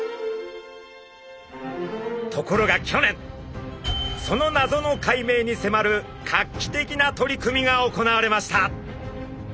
ところが去年その謎の解明に迫る画期的な取り組みが行われました。